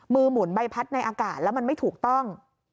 หมุนใบพัดในอากาศแล้วมันไม่ถูกต้อง